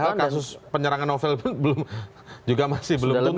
padahal kasus penyerangan novel juga masih belum tuntas